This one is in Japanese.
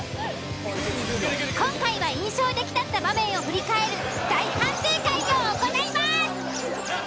今回は印象的だった場面を振り返る大反省会を行います。